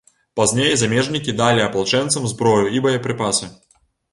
Пазней замежнікі далі апалчэнцам зброю і боепрыпасы.